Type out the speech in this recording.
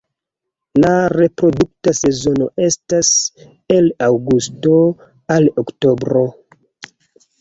La reprodukta sezono estas el aŭgusto al oktobro.